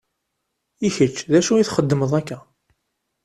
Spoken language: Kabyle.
I kečči d acu i txeddmeḍ akka?